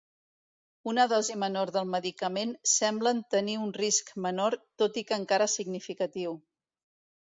Una dosi menor del medicament semblen tenir un risc menor tot i que encara significatiu.